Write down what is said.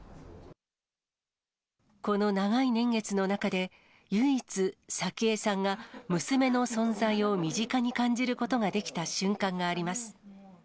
この長い年月の中で、唯一、早紀江さんが娘の存在を身近に感じることができた瞬間があります。